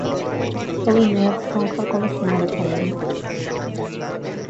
তবে, মেয়াদ সংখ্যার কোন সীমারেখা নেই।